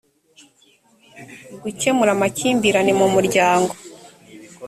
gukemura amakimbirane mu miryango